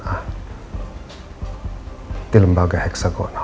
tapi tapi reinanya pada saat hal ini